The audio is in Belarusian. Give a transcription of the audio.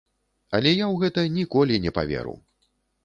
Але я ў гэта ніколі не паверу.